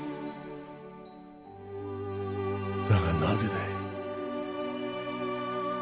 だがなぜだい？